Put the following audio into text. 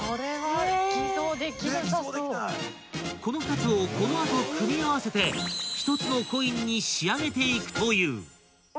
［この２つをこの後組み合わせて１つのコインに仕上げていくという］